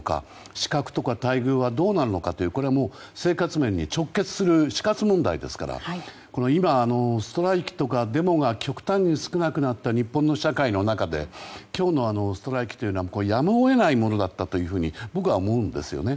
資格とか待遇はどうなるのかというのは生活面に直結する死活問題ですから今、ストライキとかデモが極端に少なくなった日本の社会の中で今日のストライキというのはやむを得ないものだったと僕は思うんですよね。